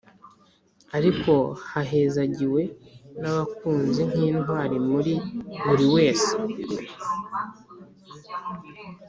ariko hahezagiwe nabakunzi nkintwari muri buriwese